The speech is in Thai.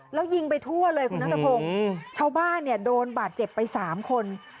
แล้วยิงไปทั่วเลยคุณนัทพงศ์ชาวบ้านเนี่ยโดนบาดเจ็บไปสามคน